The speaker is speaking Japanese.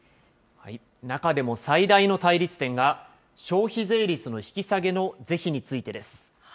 中でも最大の対立点が、消費税率の引き下げの是非についてです。